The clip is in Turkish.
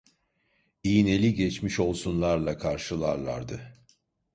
İğneli geçmiş olsunlarla karşılarlardı.